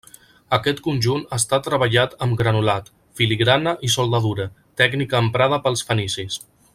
Aquest conjunt està treballat amb granulat, filigrana i soldadura, tècnica emprada pels fenicis.